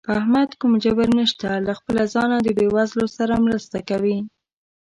په احمد کوم جبر نشته، له خپله ځانه د بېوزلو سره مرسته کوي.